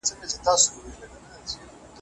د غوږ ناروغۍ چيري درملنه کیږي؟